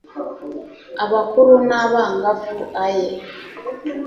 abakuru n'abangavu - aye